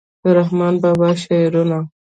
د رحمان بابا شعرونه